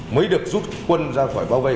mới được rút quân ra khỏi bao vây